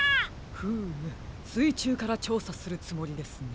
フームすいちゅうからちょうさするつもりですね。